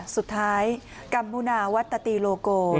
สุดท้ายกัมมุนาวัตตีโลโก